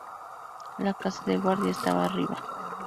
La casa de guardia estaba arriba.